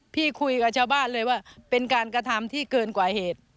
คุยกับชาวบ้านเลยว่าเป็นการกระทำที่เกินกว่าเหตุ